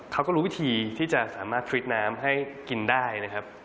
เขาก็รู้วิธีที่จะสามารถทริกน้ำให้กินได้นะครับ